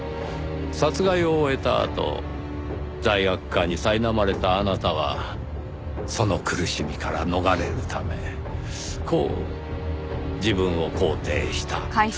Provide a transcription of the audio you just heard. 殺害を終えたあと罪悪感にさいなまれたあなたはその苦しみから逃れるためこう自分を肯定した。